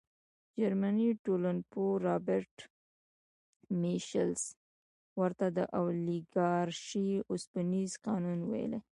جرمني ټولنپوه رابرټ میشلز ورته د اولیګارشۍ اوسپنیز قانون ویلي.